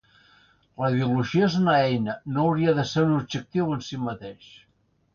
La ideologia és una eina, no hauria de ser un objectiu en si mateix.